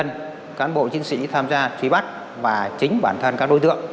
các cán bộ chiến sĩ tham gia truy bắt và chính bản thân các đối tượng